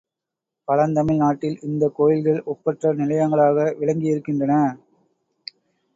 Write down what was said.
பழந்தமிழ் நாட்டில் இந்தக் கோயில்கள் ஒப்பற்ற நிலையங்களாக விளக்கியிருக்கின்றன.